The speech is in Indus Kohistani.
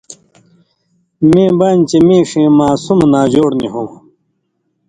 میں بان چے میں ݜَیں ماسمہ ناجوڑ نی ہوں